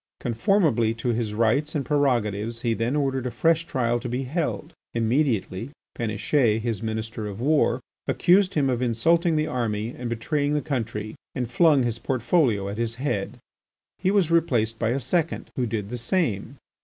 Conformably to his rights and prerogatives he then ordered a fresh trial to be held. Immediately, Péniche, his Minister of War, accused him of insulting the army and betraying the country and flung his portfolio at his head. He was replaced by a second, who did the same.